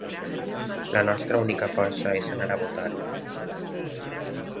La nostra única força és anar a votar.